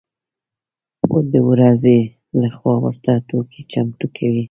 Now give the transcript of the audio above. و د ورځې له خوا ورته توکي چمتو کوي.